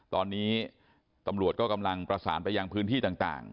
ตอนนี้ตำรวจก็กำลังประสานไปยังพื้นที่ต่าง